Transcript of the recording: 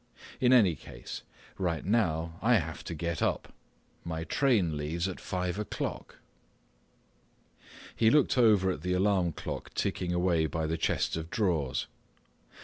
In any case, right now I have to get up. My train leaves at five o'clock." He looked over at the alarm clock ticking away by the chest of drawers.